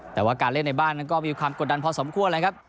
แต่ว่าการเล่นในบ้านนั้นก็มีความกดดันพอสมควรเลยครับ